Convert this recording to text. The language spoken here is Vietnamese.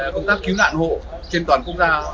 công tác cứu nạn hộ trên toàn quốc gia